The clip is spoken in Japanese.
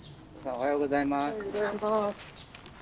おはようございます。